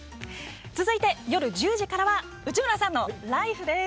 続いて、夜１０時からは内村さんの「ＬＩＦＥ！」です。